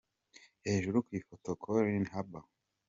Hejuru ku ifoto : Collin Haba.